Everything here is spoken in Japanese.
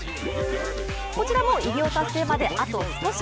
こちらも偉業達成まであと少し。